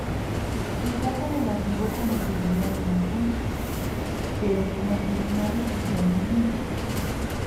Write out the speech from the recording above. En caso negativo conocería del asunto, pero como tribunal especial de límites.